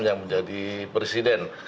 yang menjadi presiden